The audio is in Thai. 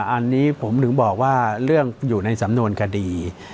อันนี้ผมถึงบอกว่าเรื่องอยู่ในสำนวนคดี